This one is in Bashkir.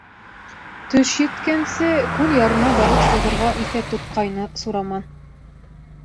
Төш еткәнсе күл ярына барып сығырға иҫәп тотҡайны Сураман.